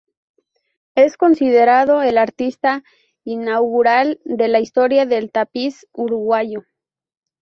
Es considerado el artista inaugural de la historia del tapiz uruguayo.